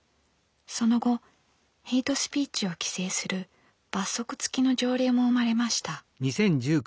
その後ヘイトスピーチを規制する罰則付きの条例も生まれました。